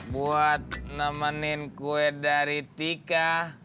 buat nemenin kue dari tika